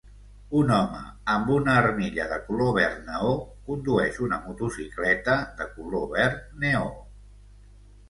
Un home amb una armilla de color verd neó condueix una motocicleta de color verd neó.